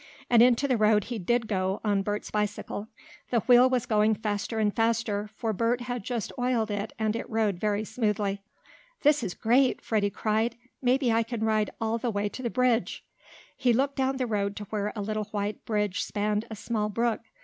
And into the road he did go, on Bert's bicycle. The wheel was going faster and faster, for Bert had just oiled it and it rode very smoothly. "This is great!" Freddie cried. "Maybe I can ride all the way to the bridge." He looked down the road to where a little white bridge spanned a small brook.